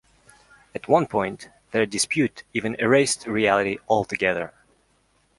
At one point, their dispute even erased reality altogether.